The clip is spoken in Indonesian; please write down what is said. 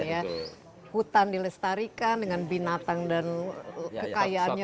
ya hutan dilestarikan dengan binatang dan kekayaannya